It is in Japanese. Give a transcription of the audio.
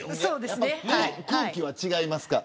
空気は違いますか。